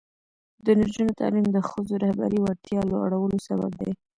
د نجونو تعلیم د ښځو رهبري وړتیا لوړولو سبب دی.